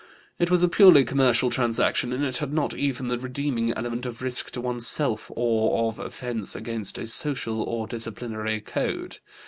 It was a purely commercial transaction, and it had not even the redeeming element of risk to one's self, or of offense against a social or disciplinary code.